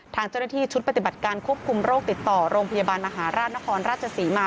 ทางเจ้าหน้าที่ชุดปฏิบัติการควบคุมโรคติดต่อโรงพยาบาลมหาราชนครราชศรีมา